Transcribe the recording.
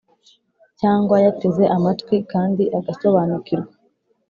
cyangwa yateze amatwi kandi agasobanukirwa.